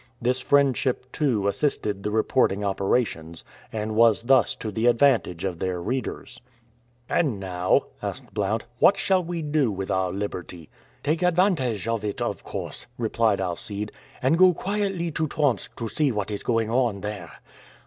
This friendship too assisted the reporting operations, and was thus to the advantage of their readers. "And now," asked Blount, "what shall we do with our liberty?" "Take advantage of it, of course," replied Alcide, "and go quietly to Tomsk to see what is going on there."